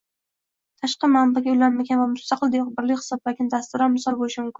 tashqi manbaaga ulanmagan va mustaqil birlik hisoblangan dasturlar misol bo’lishi mumkin